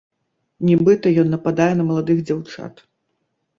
Нібыта, ён нападае на маладых дзяўчат.